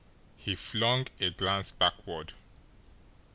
He flung a glance backward.